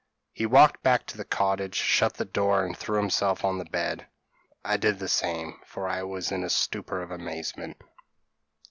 He walked back to the cottage, shut the door, and threw himself on the bed; I did the same, for I was in a stupor of amazement.